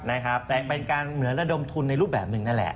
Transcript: แต่เป็นการเหมือนระดมทุนในรูปแบบหนึ่งนั่นแหละ